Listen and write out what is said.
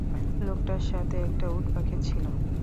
লোকটার সাথে একটা উটপাখি ছিলো।